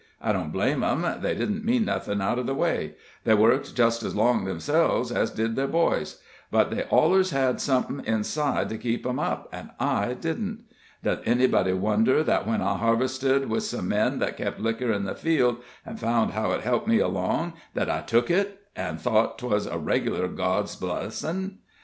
I don't blame 'em they didn't mean nothin' out of the way they worked just as long 'emselves, an' so did their boys. But they allers had somethin' inside to keep 'em up, an' I didn't. Does anybody wonder that when I harvested with some men that kep' liquor in the field, an' found how it helped me along, that I took it, an' thought 'twas a reg'lar God's blessin'?